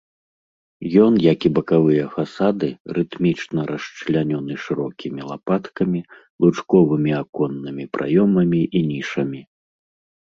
Ён, як і бакавыя фасады, рытмічна расчлянёны шырокімі лапаткамі, лучковымі аконнымі праёмамі і нішамі.